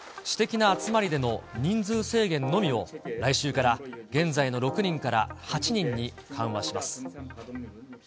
私的な集まりでの人数制限のみを、来週から現在の６人から８人に緩和します。